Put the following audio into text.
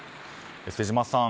瀬島さん